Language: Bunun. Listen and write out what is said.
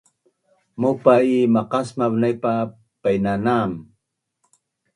Maupa i maqasmav naip painanam